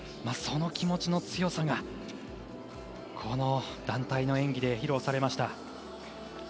その気持ちの強さが、団体の演技で披露されました。